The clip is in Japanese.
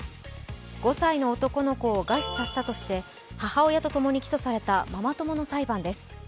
５歳の男の子を賀し差せたとして母親と起訴されたママ友の裁判です。